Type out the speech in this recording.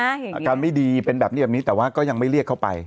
อาการไม่ดีเป็นแบบนี้แบบนี้แต่ว่าก็ยังไม่เรียกเข้าไป